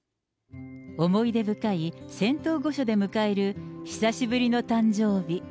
思い出深い仙洞御所で迎える久しぶりの誕生日。